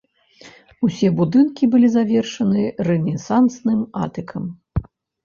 Усе будынкі былі завершаны рэнесансным атыкам.